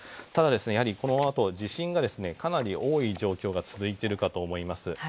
ただ、このあと地震がかなり多い状況が続いているかと思います。